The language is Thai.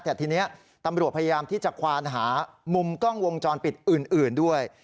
แต่ทีนี้ตำรวจพยายามที่จะควานหามุมกล้องวงจรปิดอื่นด้วย